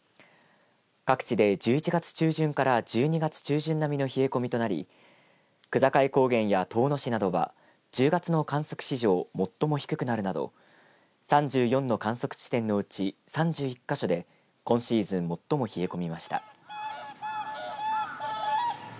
各地で１１月中旬から１２月中旬並みの冷え込みとなり区界高原や遠野市などは１０月の観測史上最も低くなるなど３４の観測地点のうち３１か所で今シーズン最も冷え込みました。